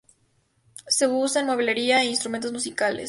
Se usa en mueblería e instrumentos musicales.